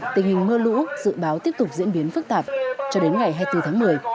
tình hình mưa lũ dự báo tiếp tục diễn biến phức tạp cho đến ngày hai mươi bốn tháng một mươi